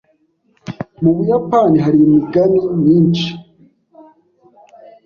Mu Buyapani hari imigani myinshi.